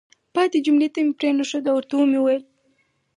پاتې جملې ته مې پرېنښود او ورته ومې ویل: